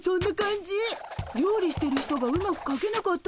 料理してる人がうまくかけなかったの。